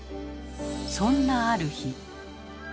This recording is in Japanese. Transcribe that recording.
そんなある日。